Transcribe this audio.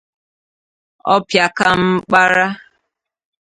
ọpịakamkpàrá